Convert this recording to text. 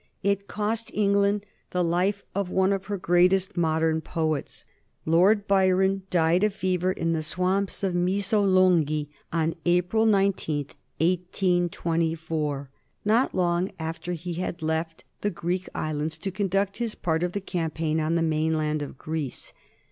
It cost England the life of one of her greatest modern poets. Lord Byron died of fever in the swamps of Missolonghi on April 19, 1824, not long after he had left the Greek Islands to conduct his part of the campaign on the mainland of Greece.